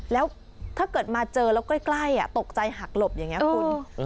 แล้วถ้าเกิดมาเจอแล้วใกล้ตกใจหักหลบอย่างนี้คุณ